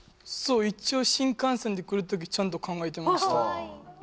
そう一応新幹線で来るときちゃんと考えてました